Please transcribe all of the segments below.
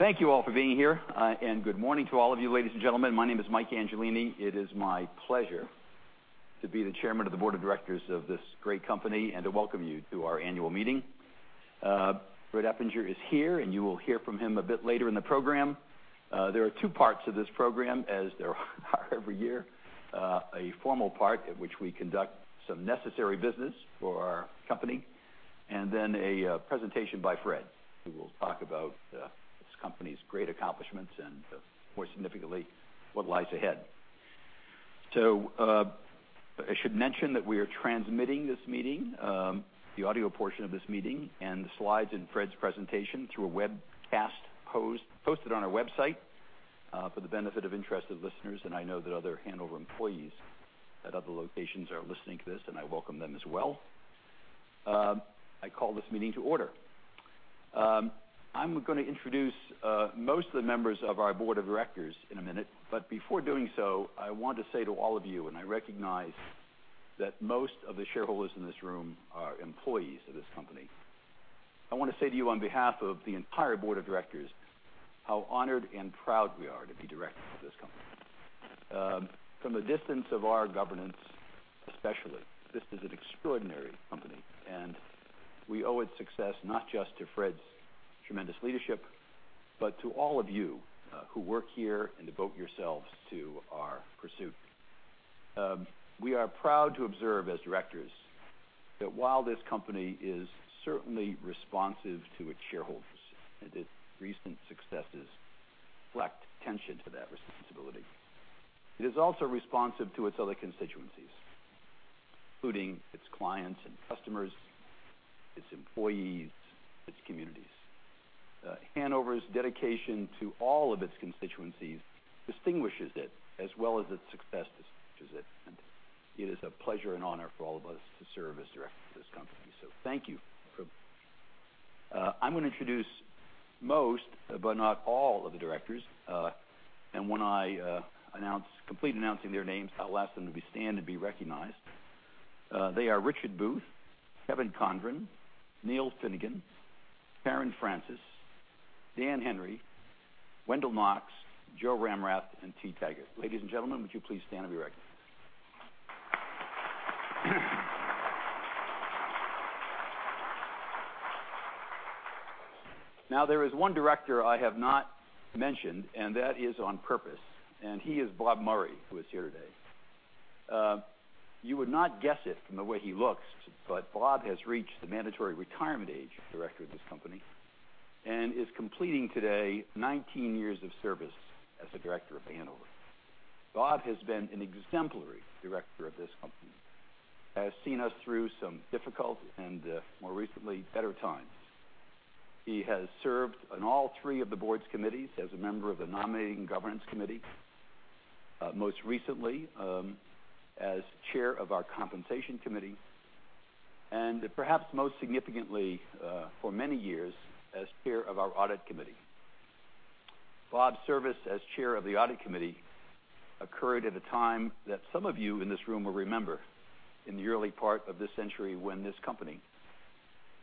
Thank you all for being here, and good morning to all of you, ladies and gentlemen. My name is Mike Angelini. It is my pleasure to be the chairman of the board of directors of this great company and to welcome you to our annual meeting. Fred Eppinger is here, and you will hear from him a bit later in the program. There are two parts to this program, as there are every year. A formal part at which we conduct some necessary business for our company, and then a presentation by Fred, who will talk about this company's great accomplishments and more significantly, what lies ahead. I should mention that we are transmitting this meeting, the audio portion of this meeting, and the slides in Fred's presentation through a webcast posted on our website for the benefit of interested listeners, and I know that other Hanover employees at other locations are listening to this, and I welcome them as well. I call this meeting to order. I'm going to introduce most of the members of our board of directors in a minute, but before doing so, I want to say to all of you, and I recognize that most of the shareholders in this room are employees of this company. I want to say to you on behalf of the entire board of directors, how honored and proud we are to be directors of this company. From a distance of our governance especially, this is an extraordinary company, and we owe its success not just to Fred's tremendous leadership, but to all of you who work here and devote yourselves to our pursuit. We are proud to observe, as directors, that while this company is certainly responsive to its shareholders, and its recent successes reflect attention to that responsibility, it is also responsive to its other constituencies. Including its clients and customers, its employees, its communities. Hanover's dedication to all of its constituencies distinguishes it as well as its success distinguishes it. It is a pleasure and honor for all of us to serve as directors of this company. Thank you. I'm going to introduce most, but not all of the directors. When I complete announcing their names, I'll ask them to stand and be recognized. They are Richard Booth, Kevin Condron, Neil Finnegan, Karen Francis, Dan Henry, Wendell Knox, Joe Ramrath, and T. Taggart. Ladies and gentlemen, would you please stand and be recognized? Now, there is one director I have not mentioned, and that is on purpose, and he is Bob Myron, who is here today. You would not guess it from the way he looks, but Bob has reached the mandatory retirement age for a director of this company and is completing today 19 years of service as a director of Hanover. Bob has been an exemplary director of this company, has seen us through some difficult and, more recently, better times. He has served on all three of the board's committees as a member of the nominating governance committee, most recently, as chair of our compensation committee and perhaps most significantly, for many years, as chair of our audit committee. Bob's service as chair of the audit committee occurred at a time that some of you in this room will remember in the early part of this century when this company,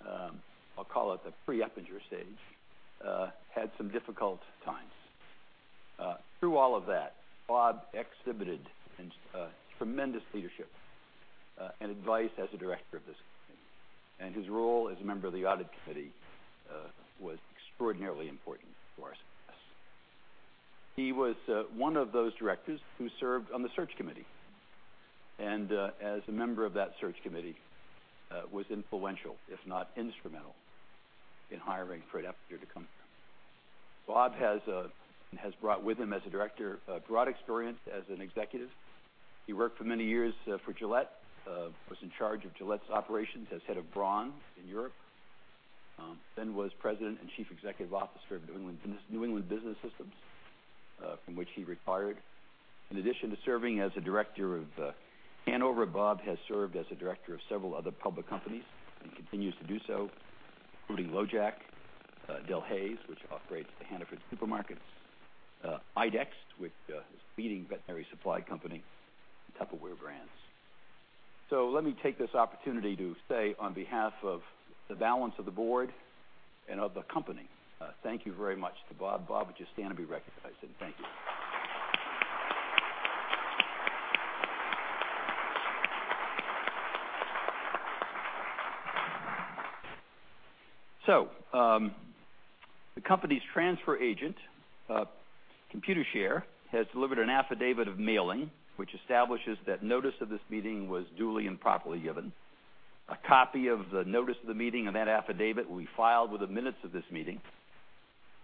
I'll call it the pre-Eppinger stage, had some difficult times. Through all of that, Bob exhibited tremendous leadership and advice as a director of this company, and his role as a member of the audit committee, was extraordinarily important for our success. He was one of those directors who served on the search committee, and as a member of that search committee, was influential, if not instrumental, in hiring Fred Eppinger to come here. Bob has brought with him as a director a broad experience as an executive. He worked for many years for Gillette, was in charge of Gillette's operations as head of Braun in Europe, then was president and chief executive officer of New England Business Service, from which he retired. In addition to serving as a director of Hanover, Bob has served as a director of several other public companies and continues to do so, including LoJack, Delhaize, which operates the Hannaford Supermarkets, IDEXX, which is a leading veterinary supply company, and Tupperware Brands. Let me take this opportunity to say, on behalf of the balance of the board and of the company, thank you very much to Bob. Bob, would you stand and be recognized? Thank you. The company's transfer agent, Computershare, has delivered an affidavit of mailing, which establishes that notice of this meeting was duly and properly given. A copy of the notice of the meeting and that affidavit will be filed with the minutes of this meeting.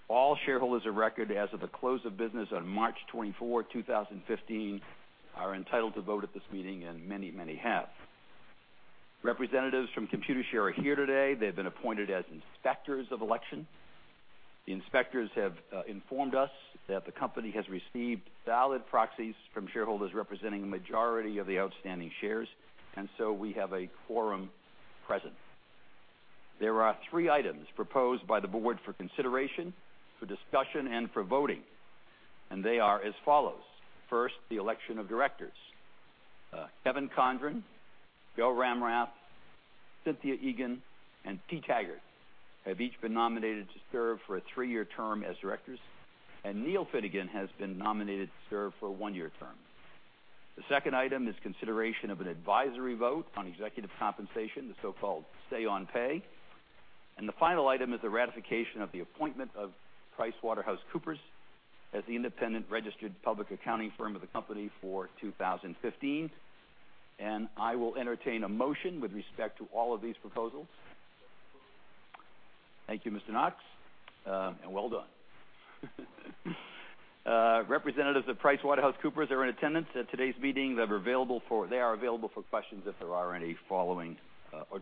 All shareholders of record as of the close of business on March 24, 2015, are entitled to vote at this meeting and many have. Representatives from Computershare are here today. They've been appointed as inspectors of election. The inspectors have informed us that the company has received valid proxies from shareholders representing a majority of the outstanding shares, we have a quorum present. There are three items proposed by the board for consideration, for discussion, and for voting, they are as follows. First, the election of directors. Kevin Condron, Joseph Ramrath, Cynthia Egan and P. Taggart have each been nominated to serve for a three-year term as directors, Neil Finnegan has been nominated to serve for a one-year term. The second item is consideration of an advisory vote on executive compensation, the so-called say on pay. The final item is the ratification of the appointment of PricewaterhouseCoopers as the independent registered public accounting firm of the company for 2015. I will entertain a motion with respect to all of these proposals. Thank you, Mr. Knox, well done. Representatives of PricewaterhouseCoopers are in attendance at today's meeting. They are available for questions if there are any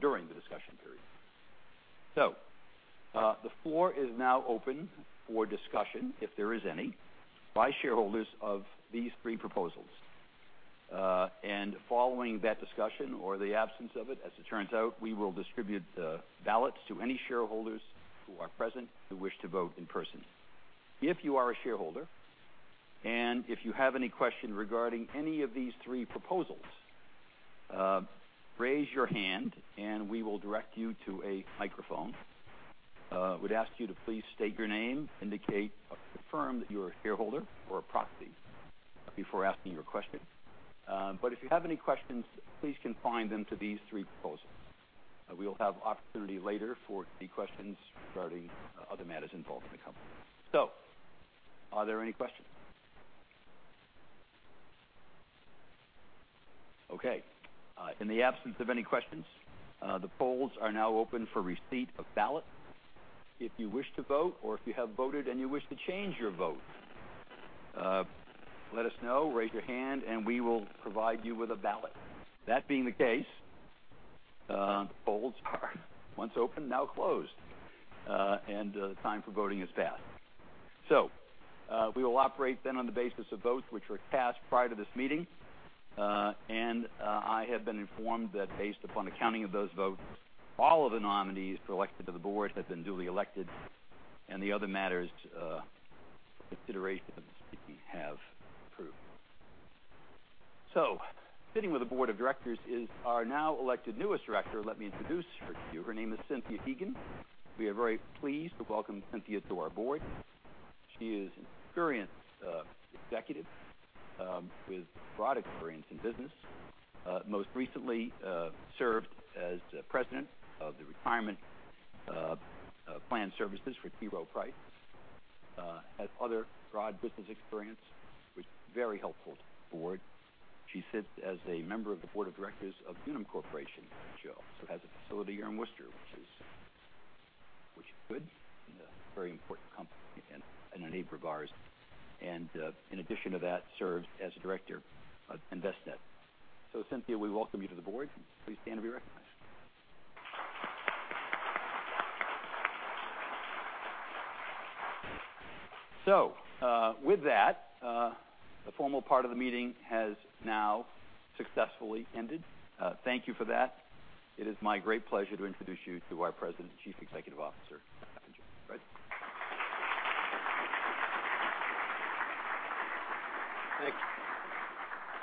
during the discussion period. The floor is now open for discussion, if there is any, by shareholders of these three proposals. Following that discussion or the absence of it, as it turns out, we will distribute the ballots to any shareholders who are present who wish to vote in person. If you are a shareholder, if you have any question regarding any of these three proposals, raise your hand and we will direct you to a microphone. We would ask you to please state your name, indicate or confirm that you are a shareholder or a proxy before asking your question. If you have any questions, please confine them to these three proposals. We will have opportunity later for any questions regarding other matters involving the company. Are there any questions? Okay. In the absence of any questions, the polls are now open for receipt of ballot. If you wish to vote or if you have voted and you wish to change your vote, let us know, raise your hand, and we will provide you with a ballot. That being the case, polls are once open, now closed, and the time for voting has passed. We will operate then on the basis of votes which were cast prior to this meeting. I have been informed that based upon the counting of those votes, all of the nominees for election to the board have been duly elected and the other matters under consideration have been approved. Sitting with the board of directors is our now elected newest director. Let me introduce her to you. Her name is Cynthia Egan. We are very pleased to welcome Cynthia to our board. She is an experienced executive with broad experience in business. Most recently, served as the President of the Retirement Plan Services for T. Rowe Price. Has other broad business experience, which is very helpful to the board. She sits as a member of the board of directors of Unum Corporation, which also has a facility here in Worcester, which is good, and a very important company and a neighbor of ours. In addition to that, serves as a director of Envestnet. Cynthia, we welcome you to the board. Please stand and be recognized. With that, the formal part of the meeting has now successfully ended. Thank you for that. It is my great pleasure to introduce you to our President and Chief Executive Officer, Brad Muehlberg.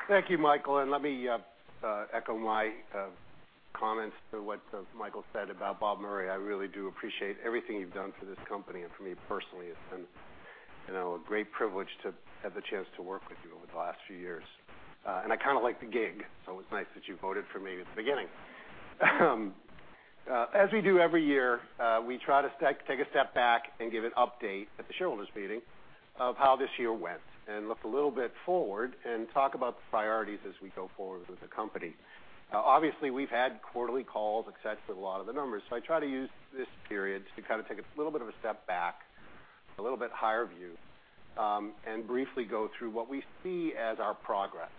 Thank you, Michael. Let me echo my comments to what Michael said about Robert Myron. I really do appreciate everything you've done for this company and for me personally. It's been a great privilege to have the chance to work with you over the last few years. I kind of like the gig, so it's nice that you voted for me at the beginning. As we do every year, we try to take a step back and give an update at the shareholders' meeting of how this year went and look a little bit forward and talk about the priorities as we go forward with the company. Obviously, we've had quarterly calls, et cetera, with a lot of the numbers. I try to use this period to kind of take a little bit of a step back, a little bit higher view, and briefly go through what we see as our progress,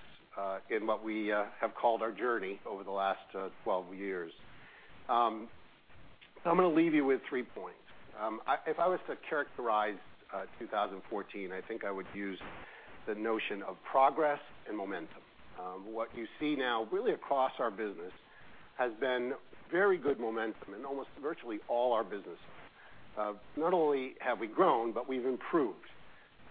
in what we have called our journey over the last 12 years. I'm going to leave you with three points. If I was to characterize 2014, I think I would use the notion of progress and momentum. What you see now really across our business has been very good momentum in almost virtually all our businesses. Not only have we grown, but we've improved.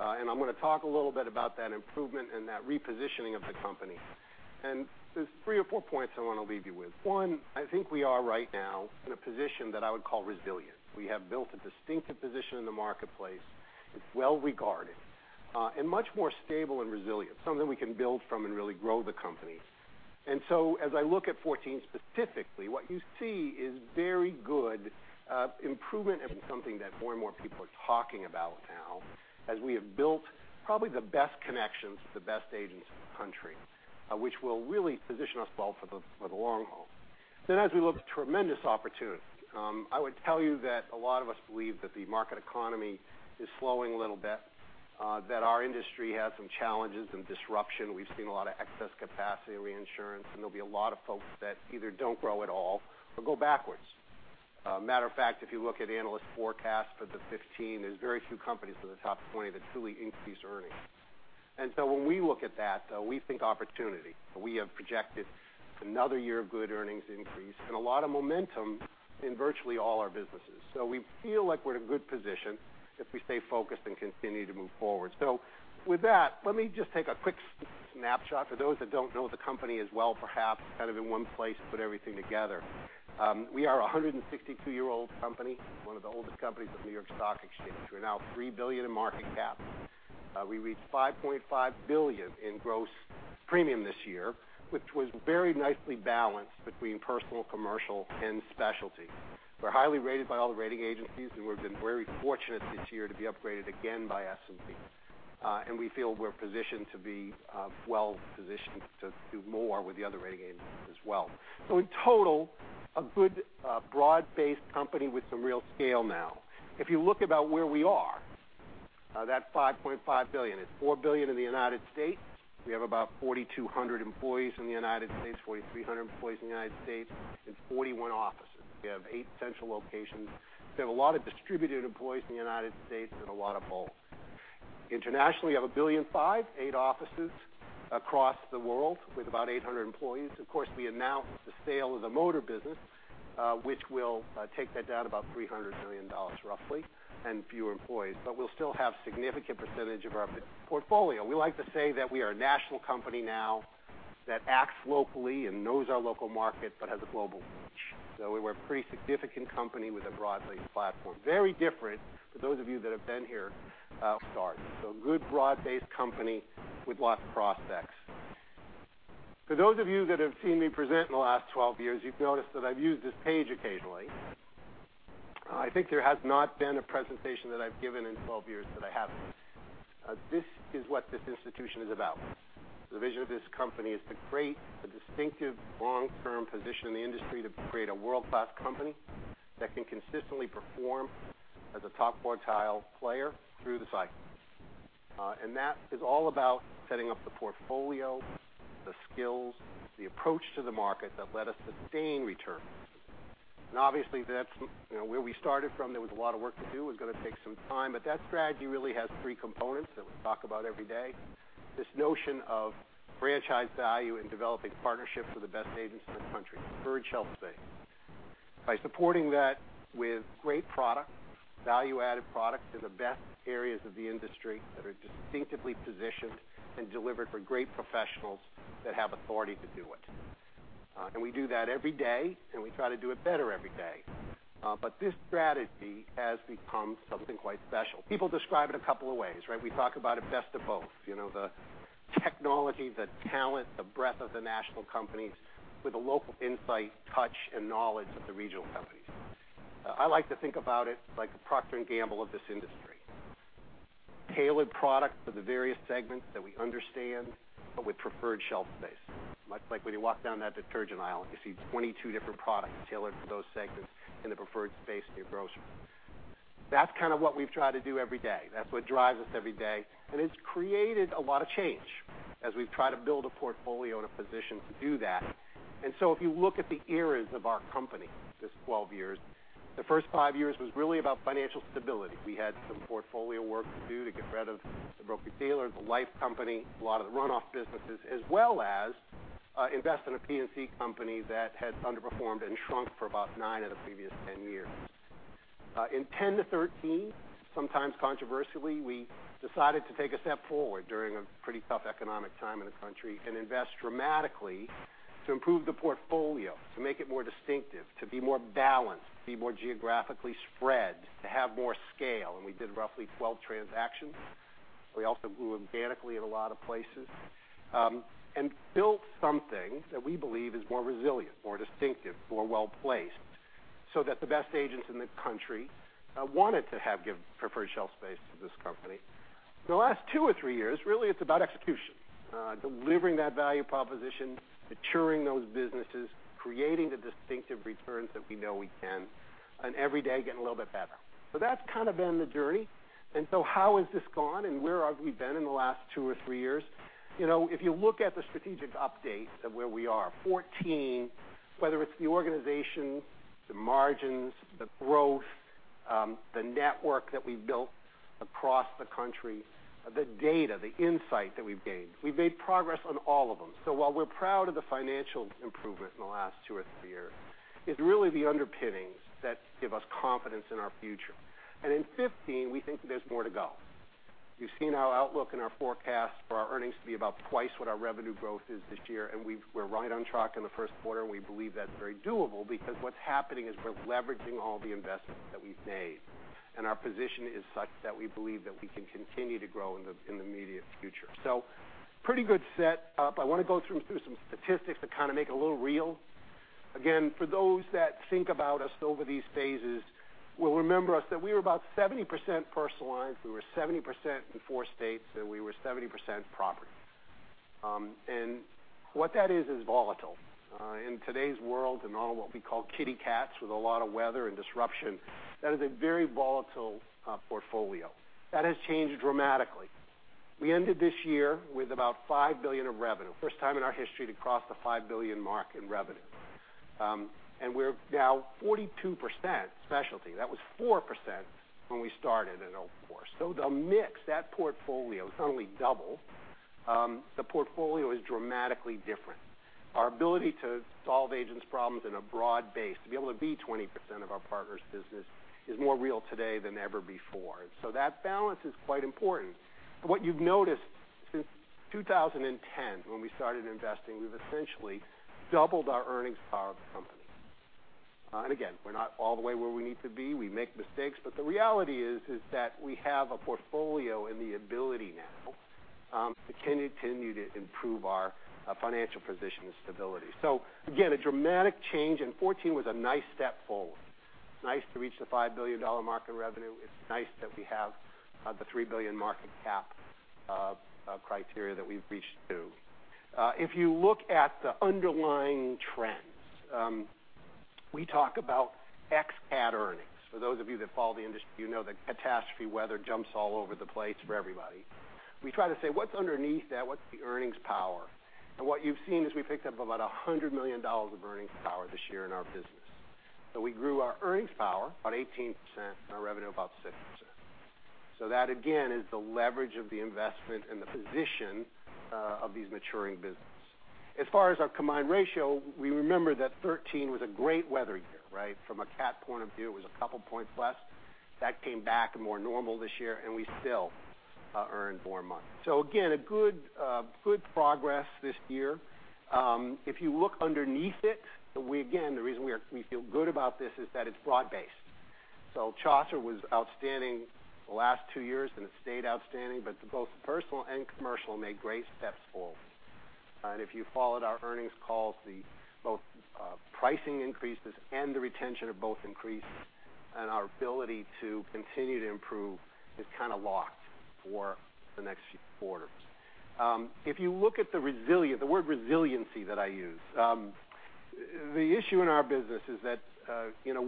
I'm going to talk a little bit about that improvement and that repositioning of the company. There's three or four points I want to leave you with. One, I think we are right now in a position that I would call resilient. We have built a distinctive position in the marketplace. It's well-regarded, and much more stable and resilient, something we can build from and really grow the company. As I look at 2014 specifically, what you see is very good improvement and something that more and more people are talking about now as we have built probably the best connections with the best agents in the country, which will really position us well for the long haul. As we look at tremendous opportunity, I would tell you that a lot of us believe that the market economy is slowing a little bit, that our industry has some challenges and disruption. We've seen a lot of excess capacity in reinsurance, and there'll be a lot of folks that either don't grow at all or go backwards. Matter of fact, if you look at analyst forecasts for the 2015, there's very few companies in the top 20 that truly increase earnings. When we look at that, we think opportunity. We have projected another year of good earnings increase and a lot of momentum in virtually all our businesses. We feel like we're in a good position if we stay focused and continue to move forward. With that, let me just take a quick snapshot for those that don't know the company as well, perhaps kind of in one place to put everything together. We are a 162-year-old company, one of the oldest companies at the New York Stock Exchange. We're now $3 billion in market cap. We reached $5.5 billion in gross premium this year, which was very nicely balanced between personal, commercial, and specialty. We're highly rated by all the rating agencies, and we've been very fortunate this year to be upgraded again by S&P. We feel we're positioned to be well-positioned to do more with the other rating agencies as well. In total, a good broad-based company with some real scale now. If you look about where we are, that $5.5 billion is $4 billion in the U.S. We have about 4,200 employees in the U.S., 4,300 employees in the U.S., and 41 offices. We have eight central locations. We have a lot of distributed employees in the U.S. and a lot of bulk. Internationally, we have $1.5 billion, eight offices across the world with about 800 employees. Of course, we announced the sale of the motor business, which will take that down about $300 million roughly and fewer employees. We'll still have a significant percentage of our portfolio. We like to say that we are a national company now that acts locally and knows our local market, but has a global reach. We're a pretty significant company with a broad-based platform. Very different for those of you that have been here at the start. A good broad-based company with lots of prospects. For those of you that have seen me present in the last 12 years, you've noticed that I've used this page occasionally. I think there has not been a presentation that I've given in 12 years that I haven't. This is what this institution is about. The vision of this company is to create a distinctive long-term position in the industry to create a world-class company that can consistently perform as a top quartile player through the cycle. That is all about setting up the portfolio, the skills, the approach to the market that let us sustain returns. Obviously, where we started from, there was a lot of work to do. It was going to take some time. That strategy really has three components that we talk about every day. This notion of franchise value and developing partnerships with the best agents in the country, preferred shelf space. By supporting that with great product, value-added product to the best areas of the industry that are distinctively positioned and delivered for great professionals that have authority to do it. We do that every day, and we try to do it better every day. This strategy has become something quite special. People describe it a couple of ways, right? We talk about it best of both, the technology, the talent, the breadth of the national companies with a local insight, touch, and knowledge of the regional companies. I like to think about it like the Procter & Gamble of this industry. Tailored product for the various segments that we understand, but with preferred shelf space. Much like when you walk down that detergent aisle and you see 22 different products tailored for those segments in the preferred space in your grocery. That's kind of what we've tried to do every day. That's what drives us every day, and it's created a lot of change as we've tried to build a portfolio and a position to do that. If you look at the eras of our company, this 12 years, the first five years was really about financial stability. We had some portfolio work to do to get rid of some broker-dealers, a life company, a lot of the runoff businesses, as well as invest in a P&C company that had underperformed and shrunk for about nine of the previous 10 years. In 2010 to 2013, sometimes controversially, we decided to take a step forward during a pretty tough economic time in the country and invest dramatically to improve the portfolio, to make it more distinctive, to be more balanced, to be more geographically spread, to have more scale, and we did roughly 12 transactions. We also grew organically in a lot of places. Built something that we believe is more resilient, more distinctive, more well-placed, so that the best agents in the country wanted to give preferred shelf space to this company. The last two or three years, really, it's about execution. Delivering that value proposition, maturing those businesses, creating the distinctive returns that we know we can, and every day, getting a little bit better. That's kind of been the journey. How has this gone and where have we been in the last two or three years? If you look at the strategic updates of where we are, 2014, whether it's the organization, the margins, the growth, the network that we've built across the country, the data, the insight that we've gained, we've made progress on all of them. While we're proud of the financial improvement in the last two or three years, it's really the underpinnings that give us confidence in our future. In 2015, we think there's more to go. You've seen our outlook and our forecast for our earnings to be about twice what our revenue growth is this year, we're right on track in the first quarter, and we believe that's very doable because what's happening is we're leveraging all the investments that we've made. Our position is such that we believe that we can continue to grow in the immediate future. Pretty good set up. I want to go through some statistics to kind of make it a little real. Again, for those that think about us over these phases will remember us that we were about 70% personal lines, we were 70% in four states, and we were 70% property. What that is volatile. In today's world and all what we call kitty cats with a lot of weather and disruption, that is a very volatile portfolio. That has changed dramatically. We ended this year with about $5 billion of revenue. First time in our history to cross the $5 billion mark in revenue. We're now 42% specialty. That was 4% when we started in 2004. The mix, that portfolio, it's not only doubled, the portfolio is dramatically different. Our ability to solve agents' problems in a broad base, to be able to be 20% of our partners' business is more real today than ever before. That balance is quite important. What you've noticed since 2010, when we started investing, we've essentially doubled our earnings power of the company. Again, we're not all the way where we need to be. We make mistakes. The reality is that we have a portfolio and the ability now to continue to improve our financial position and stability. Again, a dramatic change, and 2014 was a nice step forward. Nice to reach the $5 billion market revenue. It's nice that we have the $3 billion market cap of criteria that we've reached, too. If you look at the underlying trends, we talk about ex-cat earnings. For those of you that follow the industry, you know that catastrophe weather jumps all over the place for everybody. We try to say, "What's underneath that? What's the earnings power?" What you've seen is we picked up about $100 million of earnings power this year in our business. We grew our earnings power about 18% and our revenue about 6%. That, again, is the leverage of the investment and the position of these maturing businesses. As far as our combined ratio, we remember that 2013 was a great weather year, right? From a cat point of view, it was a couple points less. That came back more normal this year, and we still earned more money. Again, a good progress this year. If you look underneath it, again, the reason we feel good about this is that it's broad based. Chaucer was outstanding the last two years, and it stayed outstanding, but both personal and commercial made great steps forward. If you followed our earnings calls, both pricing increases and the retention have both increased, and our ability to continue to improve is kind of locked for the next few quarters. If you look at the word resiliency that I use, the issue in our business is that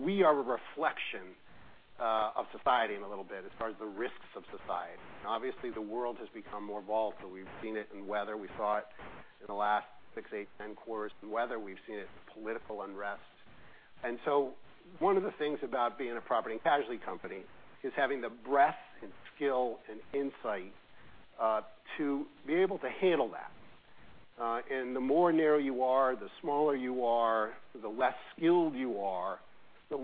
we are a reflection of society in a little bit as far as the risks of society. Obviously the world has become more volatile. We've seen it in weather. We saw it in the last six, eight, 10 quarters in weather. We've seen it in political unrest. One of the things about being a property and casualty company is having the breadth and skill and insight to be able to handle that. The more narrow you are, the smaller you are, the less skilled you are, the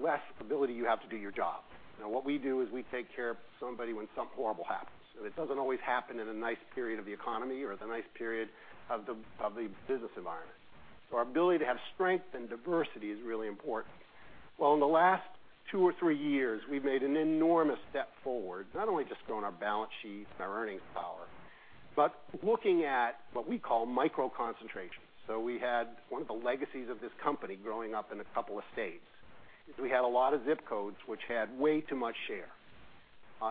less ability you have to do your job. Now, what we do is we take care of somebody when something horrible happens. It doesn't always happen in a nice period of the economy or at the nice period of the business environment. Our ability to have strength and diversity is really important. In the last two or three years, we've made an enormous step forward, not only just growing our balance sheet and our earnings power, but looking at what we call micro concentrations. We had one of the legacies of this company growing up in a couple of states, is we had a lot of zip codes which had way too much share.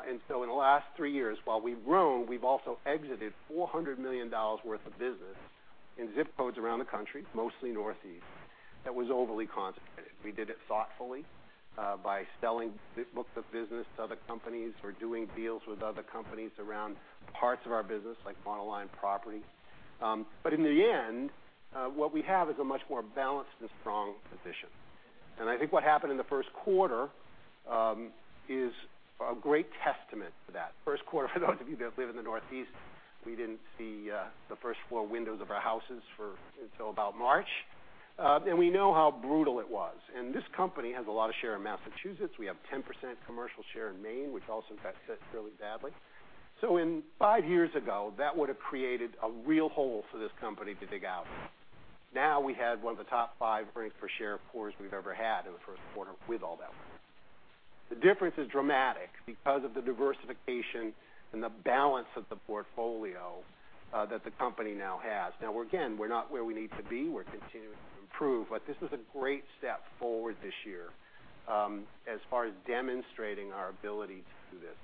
In the last three years, while we've grown, we've also exited $400 million worth of business in zip codes around the country, mostly Northeast, that was overly concentrated. We did it thoughtfully by selling books of business to other companies or doing deals with other companies around parts of our business, like monoline property. In the end, what we have is a much more balanced and strong position. I think what happened in the first quarter is a great testament to that. First quarter, for those of you that live in the Northeast, we didn't see the first floor windows of our houses until about March. We know how brutal it was. This company has a lot of share in Massachusetts. We have 10% commercial share in Maine, which also got hit fairly badly. Five years ago, that would have created a real hole for this company to dig out of. Now we had one of the top five earnings per share quarters we've ever had in the first quarter with all that work. The difference is dramatic because of the diversification and the balance of the portfolio that the company now has. Again, we're not where we need to be. We're continuing to improve. This is a great step forward this year as far as demonstrating our ability to do this.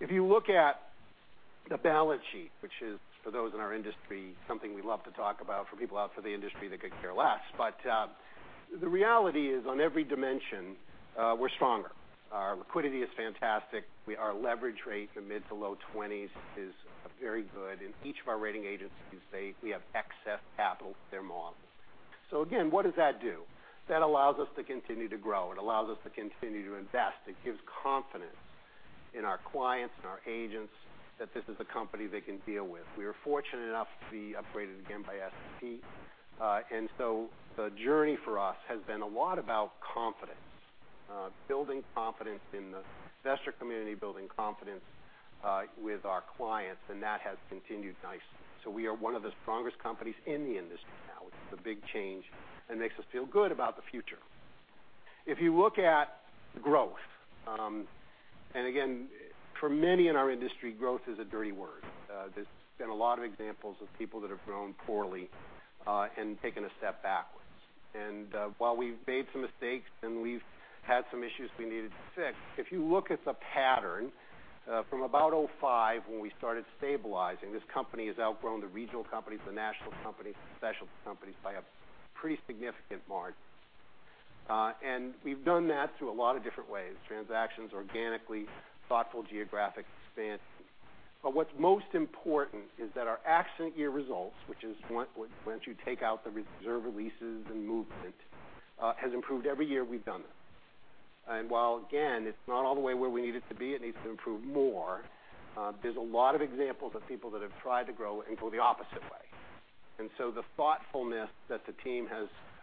If you look at the balance sheet, which is for those in our industry, something we love to talk about. For people out for the industry, they could care less. The reality is on every dimension, we're stronger. Our liquidity is fantastic. Our leverage rate in the mid to low 20s is very good, and each of our rating agencies say we have excess capital to their models. Again, what does that do? That allows us to continue to grow. It allows us to continue to invest. It gives confidence in our clients and our agents that this is a company they can deal with. We are fortunate enough to be upgraded again by S&P. The journey for us has been a lot about confidence, building confidence in the investor community, building confidence with our clients, and that has continued nicely. We are one of the strongest companies in the industry now. It's a big change and makes us feel good about the future. If you look at growth, and again, for many in our industry, growth is a dirty word. There's been a lot of examples of people that have grown poorly and taken a step backwards. While we've made some mistakes and we've had some issues we needed to fix, if you look at the pattern from about 2005 when we started stabilizing, this company has outgrown the regional companies, the national companies, the specialty companies by a pretty significant margin. We've done that through a lot of different ways, transactions organically, thoughtful geographic expansion. What's most important is that our accident year results, which is once you take out the reserve releases and movement, has improved every year we've done it. While again, it's not all the way where we need it to be, it needs to improve more, there's a lot of examples of people that have tried to grow and go the opposite way. The thoughtfulness that the team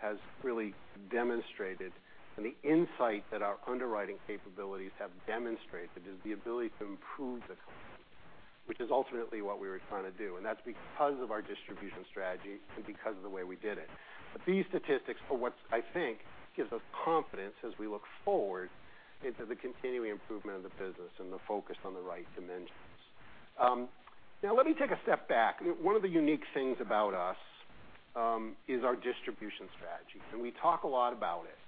has really demonstrated and the insight that our underwriting capabilities have demonstrated is the ability to improve the company, which is ultimately what we were trying to do. That's because of our distribution strategy and because of the way we did it. These statistics are what I think gives us confidence as we look forward into the continuing improvement of the business and the focus on the right dimensions. Now let me take a step back. One of the unique things about us is our distribution strategy. We talk a lot about it.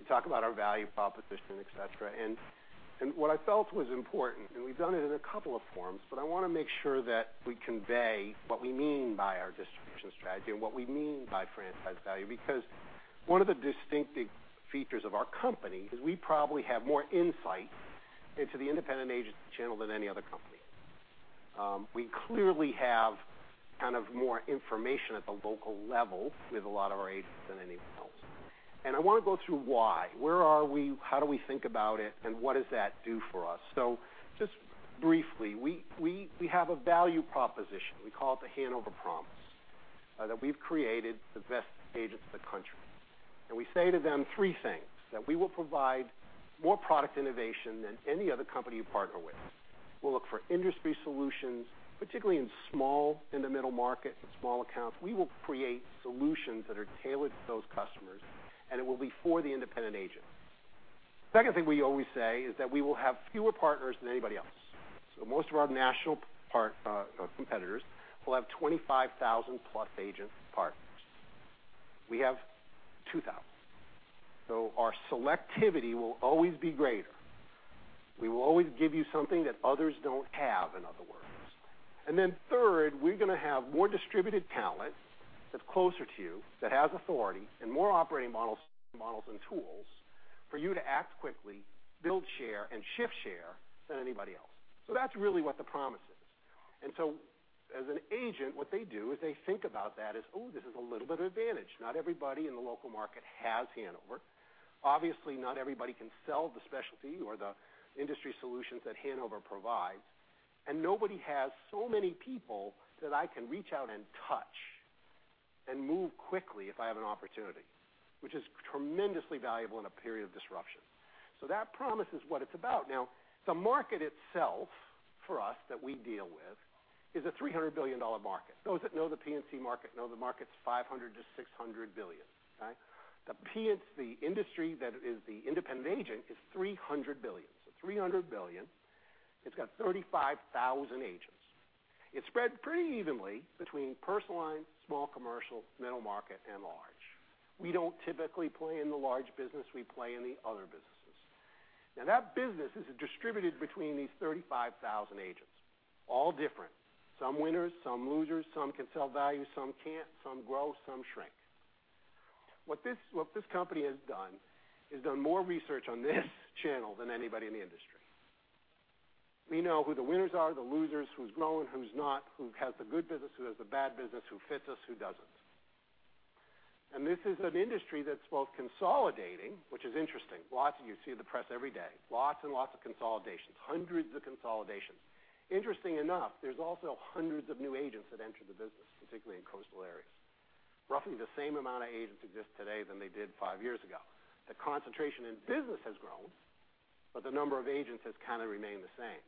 We talk about our value proposition, et cetera. What I felt was important, and we've done it in a couple of forms, I want to make sure that we convey what we mean by our distribution strategy and what we mean by franchise value because one of the distinctive features of our company is we probably have more insight into the independent agent channel than any other company. We clearly have kind of more information at the local level with a lot of our agents than anyone else. I want to go through why. Where are we? How do we think about it, and what does that do for us? Just briefly, we have a value proposition, we call it the Hanover Promise, that we've created the best agents in the country. We say to them three things, that we will provide more product innovation than any other company you partner with. We will look for industry solutions, particularly in small-middle market and small accounts. We will create solutions that are tailored to those customers, and it will be for the independent agent. Second thing we always say is that we will have fewer partners than anybody else. Most of our national competitors will have 25,000+ agent partners. We have 2,000. Our selectivity will always be greater. We will always give you something that others don't have, in other words. Then third, we are going to have more distributed talent that is closer to you, that has authority, and more operating models and tools for you to act quickly, build share, and shift share than anybody else. That is really what the promise is. As an agent, what they do is they think about that as, oh, this is a little bit of advantage. Not everybody in the local market has Hanover. Obviously, not everybody can sell the specialty or the industry solutions that Hanover provides, and nobody has so many people that I can reach out and touch and move quickly if I have an opportunity, which is tremendously valuable in a period of disruption. That promise is what it is about. The market itself for us that we deal with is a $300 billion market. Those that know the P&C market know the market is $500 billion-$600 billion. The P&C industry that is the independent agent is $300 billion. $300 billion. It has 35,000 agents. It is spread pretty evenly between personal lines, small commercial, middle market, and large. We don't typically play in the large business. We play in the other businesses. That business is distributed between these 35,000 agents, all different. Some winners, some losers, some can sell value, some can't. Some grow, some shrink. What this company has done is done more research on this channel than anybody in the industry. We know who the winners are, the losers, who is growing, who is not, who has the good business, who has the bad business, who fits us, who doesn't. This is an industry that is both consolidating, which is interesting. Lots of you see the press every day. Lots and lots of consolidations. Hundreds of consolidations. Interesting enough, there are also hundreds of new agents that enter the business, particularly in coastal areas. Roughly the same amount of agents exist today than they did five years ago. The concentration in business has grown, but the number of agents has kind of remained the same.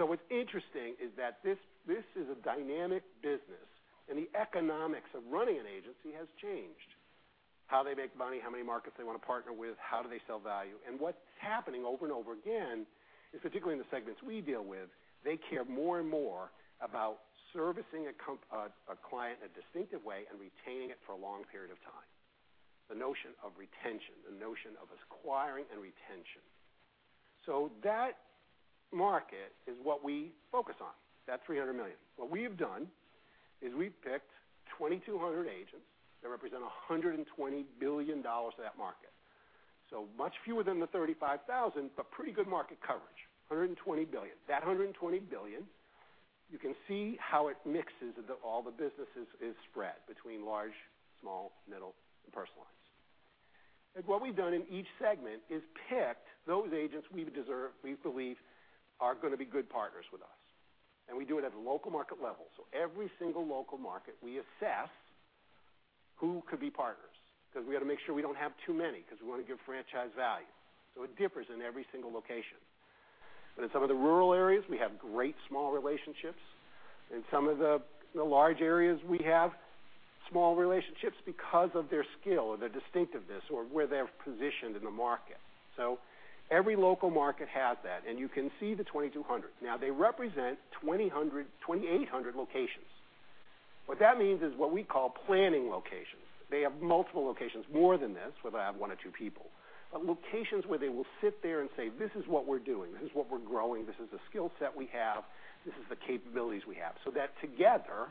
What is interesting is that this is a dynamic business, and the economics of running an agency has changed. How they make money, how many markets they want to partner with, how do they sell value. What is happening over and over again is, particularly in the segments we deal with, they care more and more about servicing a client in a distinctive way and retaining it for a long period of time. The notion of retention, the notion of acquiring and retention. That market is what we focus on, that $300 million. What we have done is we have picked 2,200 agents that represent $120 billion of that market. Much fewer than the 35,000, but pretty good market coverage, $120 billion. That $120 billion, you can see how it mixes all the businesses is spread between large, small, middle, and personal lines. What we've done in each segment is picked those agents we believe are going to be good partners with us, and we do it at the local market level. Every single local market, we assess who could be partners because we got to make sure we don't have too many because we want to give franchise value. It differs in every single location. In some of the rural areas, we have great small relationships. In some of the large areas, we have small relationships because of their skill or their distinctiveness or where they're positioned in the market. Every local market has that, and you can see the 2,200. They represent 2,800 locations. What that means is what we call planning locations. They have multiple locations, more than this, whether I have one or two people. Locations where they will sit there and say, "This is what we're doing. This is what we're growing. This is the skill set we have. This is the capabilities we have." That together,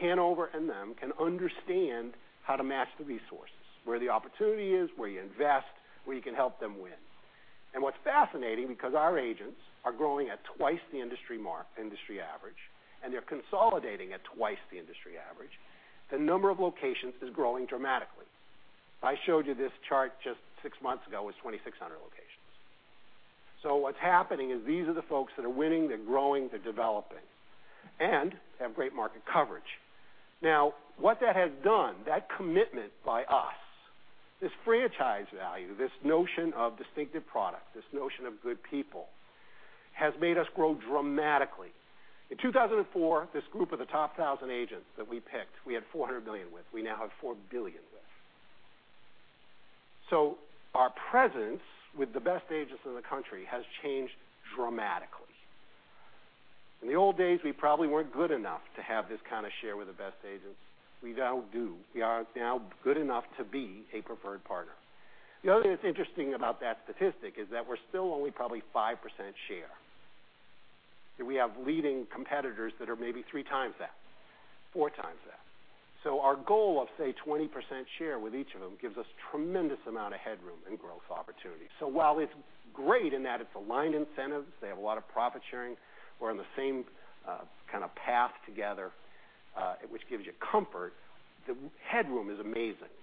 Hanover and them can understand how to match the resources, where the opportunity is, where you invest, where you can help them win. What's fascinating, because our agents are growing at twice the industry average, and they're consolidating at twice the industry average, the number of locations is growing dramatically. If I showed you this chart just six months ago, it was 2,600 locations. What's happening is these are the folks that are winning, they're growing, they're developing, and they have great market coverage. What that has done, that commitment by us, this franchise value, this notion of distinctive product, this notion of good people, has made us grow dramatically. In 2004, this group of the top 1,000 agents that we picked, we had $400 million with. We now have $4 billion with. Our presence with the best agents in the country has changed dramatically. In the old days, we probably weren't good enough to have this kind of share with the best agents. We now do. We are now good enough to be a preferred partner. The other thing that's interesting about that statistic is that we're still only probably 5% share, and we have leading competitors that are maybe three times that, four times that. Our goal of, say, 20% share with each of them gives us tremendous amount of headroom and growth opportunity. While it's great in that it's aligned incentives, they have a lot of profit sharing. We're on the same kind of path together, which gives you comfort. The headroom is amazing.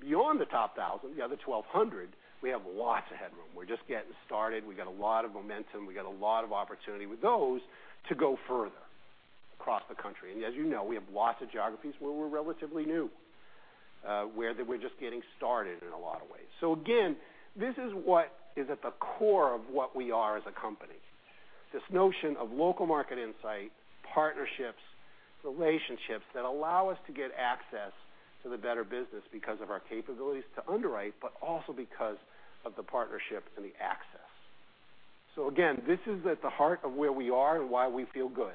Beyond the top 1,000, the other 1,200, we have lots of headroom. We're just getting started. We got a lot of momentum. We got a lot of opportunity with those to go further across the country. As you know, we have lots of geographies where we're relatively new, where we're just getting started in a lot of ways. Again, this is what is at the core of what we are as a company, this notion of local market insight, partnerships, relationships that allow us to get access to the better business because of our capabilities to underwrite, but also because of the partnership and the access. Again, this is at the heart of where we are and why we feel good.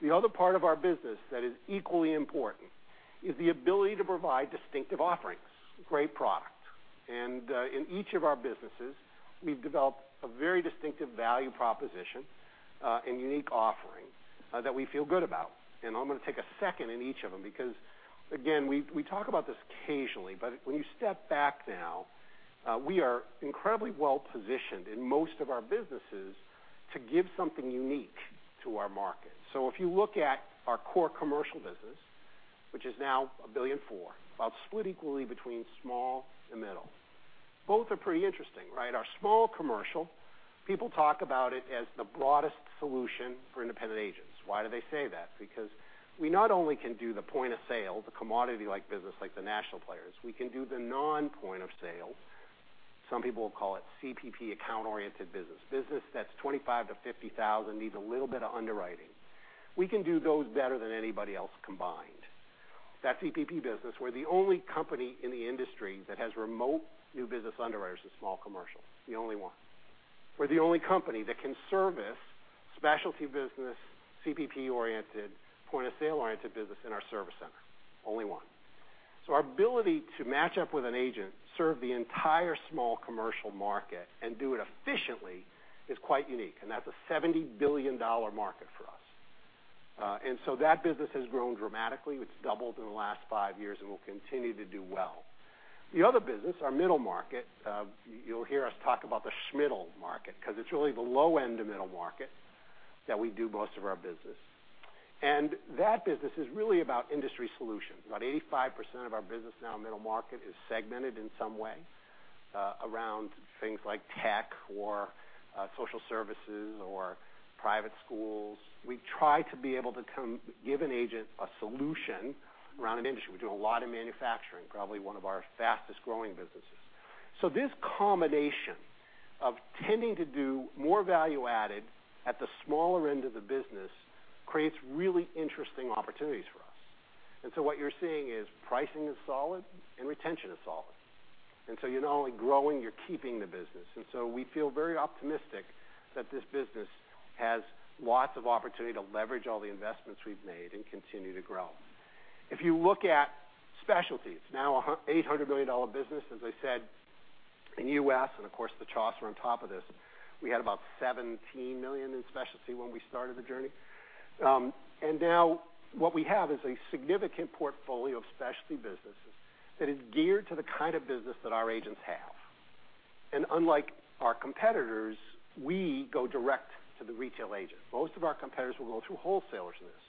The other part of our business that is equally important is the ability to provide distinctive offerings, great product. In each of our businesses, we've developed a very distinctive value proposition, and unique offering that we feel good about. I'm going to take a second in each of them because, again, we talk about this occasionally, but when you step back now, we are incredibly well-positioned in most of our businesses to give something unique to our market. If you look at our core commercial business, which is now $1.4 billion, about split equally between small and middle. Both are pretty interesting, right? Our small commercial, people talk about it as the broadest solution for independent agents. Why do they say that? We not only can do the point of sale, the commodity-like business like the national players, we can do the non-point of sale. Some people call it CPP account-oriented business that's $25,000-$50,000, needs a little bit of underwriting. We can do those better than anybody else combined. That CPP business, we're the only company in the industry that has remote new business underwriters in small commercial, the only one. We're the only company that can service specialty business, CPP oriented, point of sale oriented business in our service center, only one. Our ability to match up with an agent, serve the entire small commercial market and do it efficiently is quite unique, and that's a $70 billion market for us. That business has grown dramatically. It's doubled in the last five years and will continue to do well. The other business, our middle market, you'll hear us talk about the small-middle market because it's really the low end of middle market that we do most of our business. That business is really about industry solutions. About 85% of our business now in middle market is segmented in some way around things like tech or social services or private schools. We try to be able to give an agent a solution around an industry. We do a lot of manufacturing, probably one of our fastest growing businesses. This combination of tending to do more value added at the smaller end of the business creates really interesting opportunities for us. What you're seeing is pricing is solid and retention is solid. You're not only growing, you're keeping the business. We feel very optimistic that this business has lots of opportunity to leverage all the investments we've made and continue to grow. If you look at specialties, now an $800 million business, as I said, in U.S., the charts are on top of this. We had about $17 million in specialty when we started the journey. Now what we have is a significant portfolio of specialty businesses that is geared to the kind of business that our agents have. Unlike our competitors, we go direct to the retail agent. Most of our competitors will go through wholesalers in this.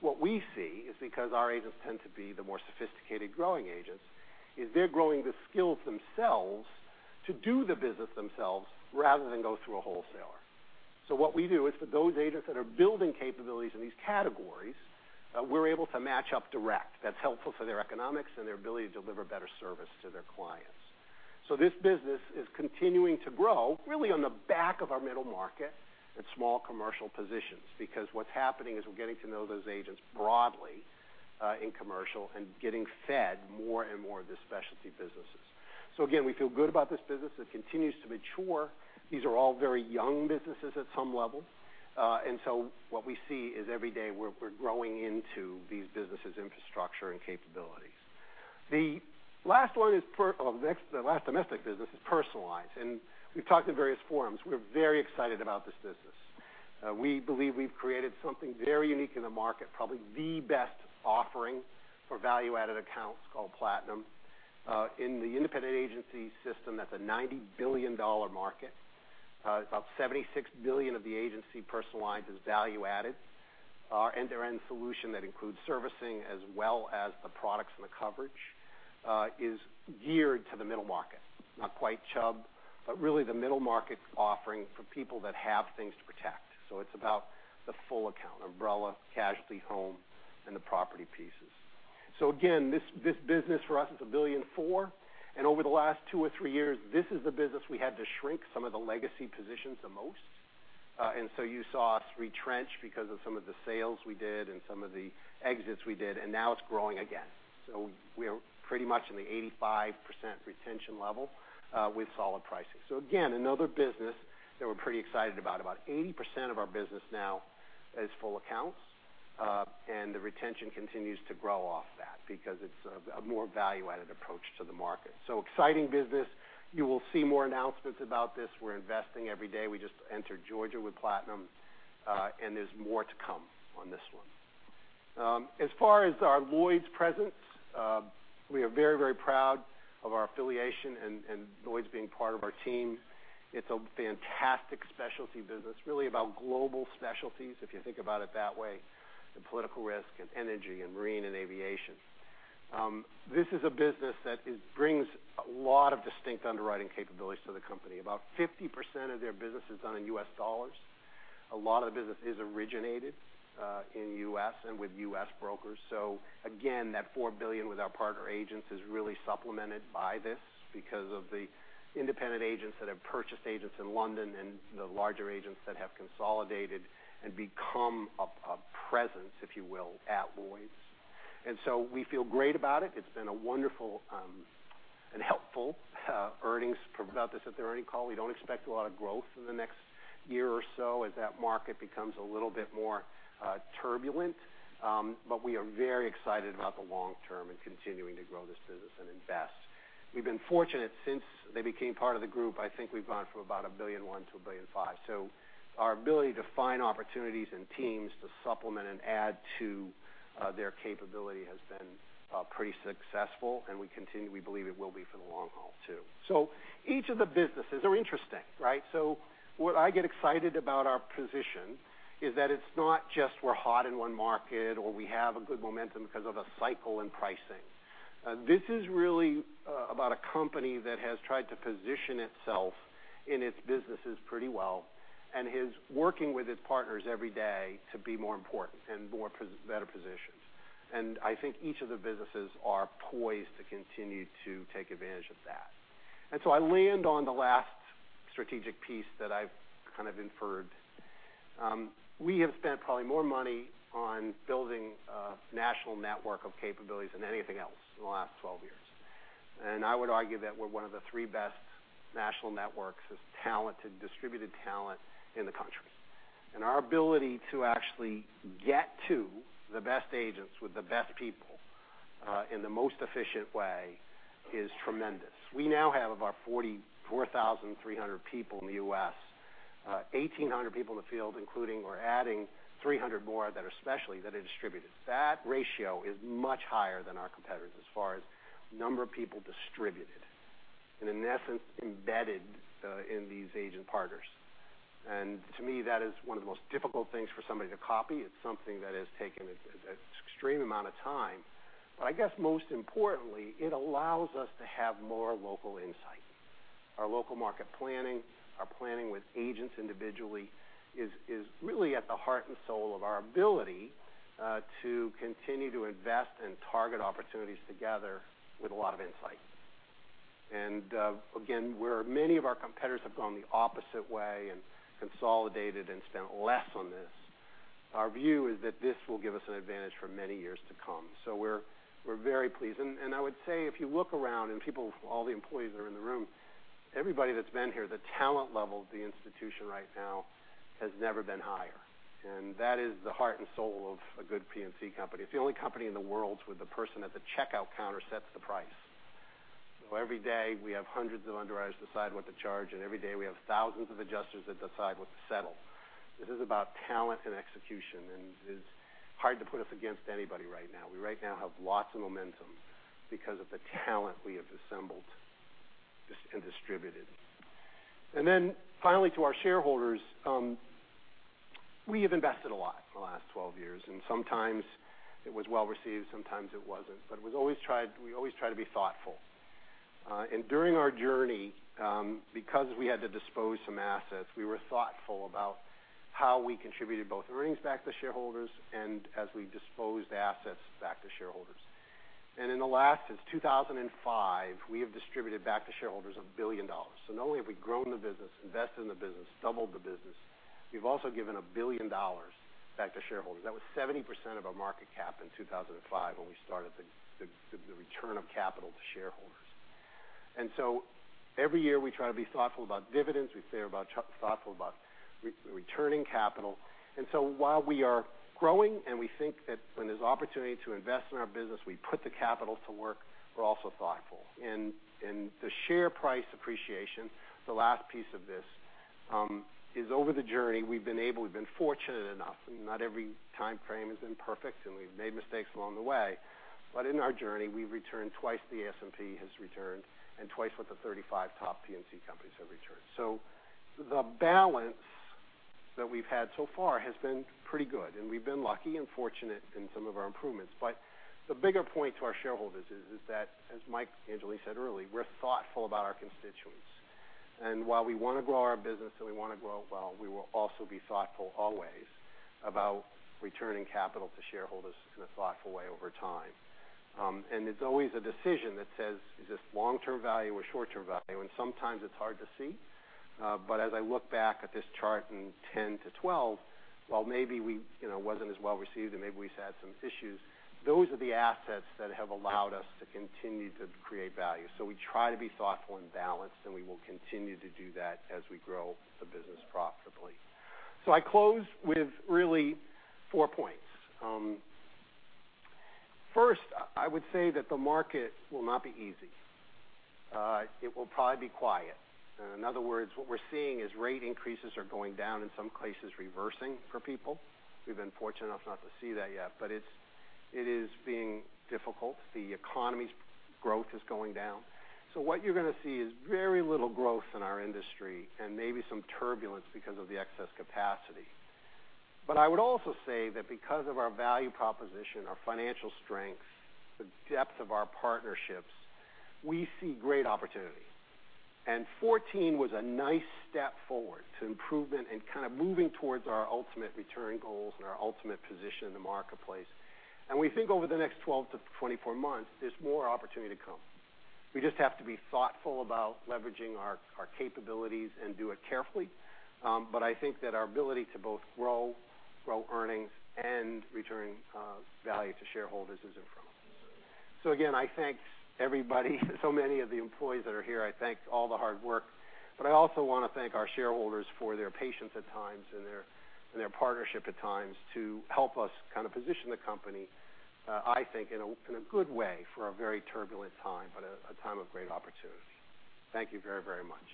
What we see is because our agents tend to be the more sophisticated growing agents, they're growing the skills themselves to do the business themselves rather than go through a wholesaler. What we do is for those agents that are building capabilities in these categories, we're able to match up direct. That's helpful for their economics and their ability to deliver better service to their clients. This business is continuing to grow really on the back of our middle market and small commercial positions because what's happening is we're getting to know those agents broadly in commercial and getting fed more and more of the specialty businesses. Again, we feel good about this business. It continues to mature. These are all very young businesses at some level. What we see is every day we're growing into these businesses' infrastructure and capabilities. The last domestic business is personal lines, and we've talked in various forums. We're very excited about this business. We believe we've created something very unique in the market, probably the best offering for value-added accounts called Platinum. In the independent agency system, that's a $90 billion market. About $76 billion of the agency personal lines is value added. Our end-to-end solution that includes servicing as well as the products and the coverage is geared to the middle market. Not quite Chubb, but really the middle market offering for people that have things to protect. It's about the full account, umbrella, casualty, home, and the property pieces. Again, this business for us is a billion four, and over the last two or three years, this is the business we had to shrink some of the legacy positions the most. You saw us retrench because of some of the sales we did and some of the exits we did, and now it's growing again. We are pretty much in the 85% retention level with solid pricing. Again, another business that we're pretty excited about. About 80% of our business now is full accounts. The retention continues to grow off that because it's a more value-added approach to the market. Exciting business. You will see more announcements about this. We're investing every day. We just entered Georgia with Platinum, and there's more to come on this one. As far as our Lloyd's presence, we are very proud of our affiliation and Lloyd's being part of our team. It's a fantastic specialty business, really about global specialties, if you think about it that way, the political risk and energy and marine and aviation. This is a business that brings a lot of distinct underwriting capabilities to the company. About 50% of their business is done in U.S. dollars. A lot of the business is originated in U.S. and with U.S. brokers. Again, that $4 billion with our partner agents is really supplemented by this because of the independent agents that have purchased agents in London and the larger agents that have consolidated and become a presence, if you will, at Lloyd's. We feel great about it. It's been a wonderful and helpful earnings. We brought this at the earning call. We don't expect a lot of growth in the next year or so as that market becomes a little bit more turbulent. We are very excited about the long term and continuing to grow this business and invest. We've been fortunate since they became part of the group, I think we've gone from about $1.1 billion to $1.5 billion. Our ability to find opportunities and teams to supplement and add to their capability has been pretty successful, and we believe it will be for the long haul, too. Each of the businesses are interesting, right? What I get excited about our position is that it's not just we're hot in one market, or we have a good momentum because of a cycle in pricing. This is really about a company that has tried to position itself in its businesses pretty well and is working with its partners every day to be more important and better positioned. I think each of the businesses are poised to continue to take advantage of that. I land on the last strategic piece that I've kind of inferred. We have spent probably more money on building a national network of capabilities than anything else in the last 12 years. I would argue that we're one of the 3 best national networks of talented, distributed talent in the U.S. Our ability to actually get to the best agents with the best people in the most efficient way is tremendous. We now have of our 44,300 people in the U.S., 1,800 people in the field, including or adding 300 more that are specially distributed. That ratio is much higher than our competitors as far as number of people distributed, and in essence, embedded in these agent partners. To me, that is one of the most difficult things for somebody to copy. It's something that has taken an extreme amount of time, but I guess most importantly, it allows us to have more local insight. Our local market planning, our planning with agents individually is really at the heart and soul of our ability to continue to invest and target opportunities together with a lot of insight. Again, where many of our competitors have gone the opposite way and consolidated and spent less on this, our view is that this will give us an advantage for many years to come. We're very pleased. I would say, if you look around and all the employees that are in the room, everybody that's been here, the talent level of the institution right now has never been higher. That is the heart and soul of a good P&C company. It's the only company in the world where the person at the checkout counter sets the price. Every day, we have hundreds of underwriters decide what to charge, and every day, we have thousands of adjusters that decide what to settle. This is about talent and execution, and it's hard to put us against anybody right now. We right now have lots of momentum because of the talent we have assembled and distributed. Finally, to our shareholders, we have invested a lot in the last 12 years, and sometimes it was well received, sometimes it wasn't. We always try to be thoughtful. During our journey, because we had to dispose some assets, we were thoughtful about how we contributed both earnings back to shareholders and as we disposed assets back to shareholders. In the last, since 2005, we have distributed back to shareholders $1 billion. Not only have we grown the business, invested in the business, doubled the business, we've also given $1 billion back to shareholders. That was 70% of our market cap in 2005 when we started the return of capital to shareholders. Every year, we try to be thoughtful about dividends. We try to be thoughtful about returning capital. While we are growing and we think that when there's opportunity to invest in our business, we put the capital to work, we're also thoughtful. The share price appreciation, the last piece of this, is over the journey we've been able, we've been fortunate enough, and not every timeframe has been perfect, and we've made mistakes along the way. In our journey, we've returned twice the S&P has returned and twice what the 35 top P&C companies have returned. The balance that we've had so far has been pretty good, and we've been lucky and fortunate in some of our improvements. The bigger point to our shareholders is that, as Mike initially said earlier, we're thoughtful about our constituents. While we want to grow our business and we want to grow well, we will also be thoughtful always about returning capital to shareholders in a thoughtful way over time. It's always a decision that says, is this long-term value or short-term value? Sometimes it's hard to see. As I look back at this chart in 2010 to 2012, while maybe it wasn't as well received and maybe we've had some issues, those are the assets that have allowed us to continue to create value. We try to be thoughtful and balanced, and we will continue to do that as we grow the business profitably. I close with really four points. First, I would say that the market will not be easy. It will probably be quiet. In other words, what we're seeing is rate increases are going down, in some cases reversing for people. We've been fortunate enough not to see that yet. It is being difficult. The economy's growth is going down. What you're going to see is very little growth in our industry and maybe some turbulence because of the excess capacity. I would also say that because of our value proposition, our financial strength, the depth of our partnerships, we see great opportunity. 2014 was a nice step forward to improvement and kind of moving towards our ultimate return goals and our ultimate position in the marketplace. We think over the next 12 to 24 months, there's more opportunity to come. We just have to be thoughtful about leveraging our capabilities and do it carefully. I think that our ability to both grow earnings and return value to shareholders is in front of us. Again, I thank everybody, so many of the employees that are here, I thank all the hard work. I also want to thank our shareholders for their patience at times and their partnership at times to help us kind of position the company, I think, in a good way for a very turbulent time, but a time of great opportunity. Thank you very much